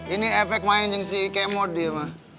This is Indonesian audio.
ini efek mainin si kemod dia mas